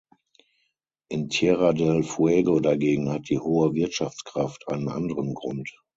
In Tierra del Fuego dagegen hat die hohe Wirtschaftskraft einen anderen Grund.